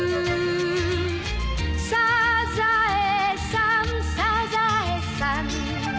「サザエさんサザエさん」